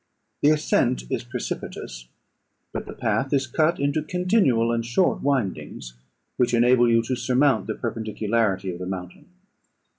The ascent is precipitous, but the path is cut into continual and short windings, which enable you to surmount the perpendicularity of the mountain.